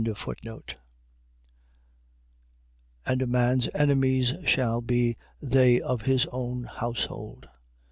And a man's enemies shall be they of his own household.